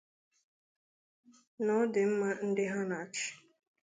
na ọ dịmma ndị ha na-achị